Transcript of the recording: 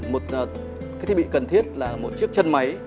một cái thiết bị cần thiết là một chiếc chân máy